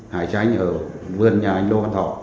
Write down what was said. hải tranh ở vườn nhà anh lô văn thỏ